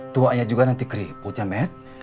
tuanya juga nanti keriput ya matt